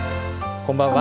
こんばんは。